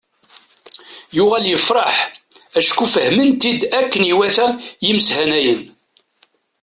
Yuɣal yefreḥ acku fehmen-t-id akken i iwata yimeshanayen.